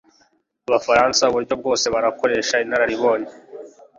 Abafaransa Uburyo bwose burakoreshwa Inararibonye